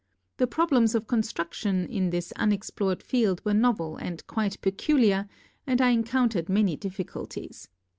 The prob lems of construction in this unexplored field were novel and quite peculiar and I en countered many difficulties.